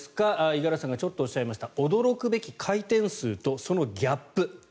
五十嵐さんがちょっとおっしゃいました驚くべき回転数とそのギャップ。